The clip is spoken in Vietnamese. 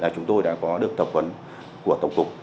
chúng tôi đã có được tập huấn của tổng cục